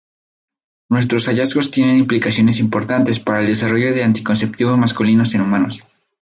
Nuestros hallazgos tienen implicaciones importantes para el desarrollo de anticonceptivos masculinos en humanos.